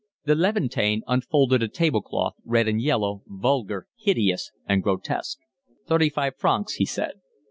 The Levantine unfolded a table cloth, red and yellow, vulgar, hideous, and grotesque. "Thirty five francs," he said.